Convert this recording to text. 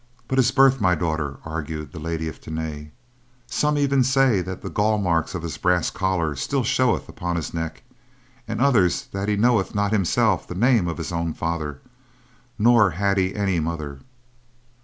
"But his birth, my daughter!" argued the Lady de Tany. "Some even say that the gall marks of his brass collar still showeth upon his neck, and others that he knoweth not himself the name of his own father, nor had he any mother."